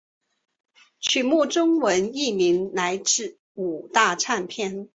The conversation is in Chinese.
曲目中文译名来自五大唱片。